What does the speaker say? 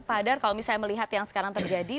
padar kalau misalnya melihat yang sekarang terjadi